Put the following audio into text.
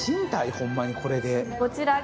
ホンマにこれで。